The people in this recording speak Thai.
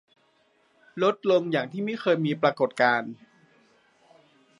ลดลงอย่างที่ไม่เคยมีปรากฏการณ์